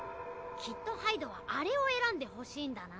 きっとハイドはあれを選んでほしいんだな。